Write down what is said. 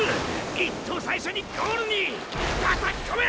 一等最初にゴールにたたき込め！